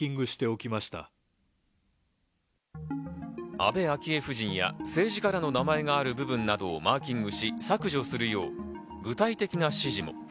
安倍昭恵夫人や政治家らの名前がある部分などをマーキングし、削除するよう具体的な指示も。